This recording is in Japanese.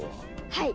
はい！